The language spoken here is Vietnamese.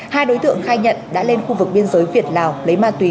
hai đối tượng khai nhận đã lên khu vực biên giới việt lào lấy ma túy